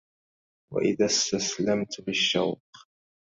وإذا استسلمت للشوق،